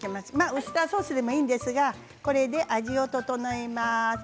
ウスターソースでもいいんですがこれで味を調えます。